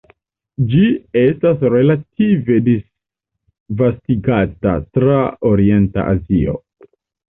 Ĝi estas relative disvastigata tra orienta Azio.